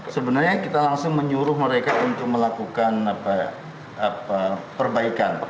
sebenarnya kita langsung menyuruh mereka untuk melakukan perbaikan